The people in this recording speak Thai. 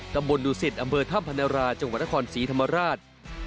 ตำบลดุศิษย์อำเบิดถ้ำพนราจังหวัดขอนศรีธรรมราช